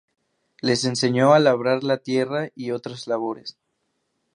Les enseñó a labrar la tierra y otras labores.